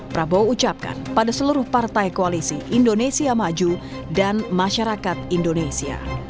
prabowo ucapkan pada seluruh partai koalisi indonesia maju dan masyarakat indonesia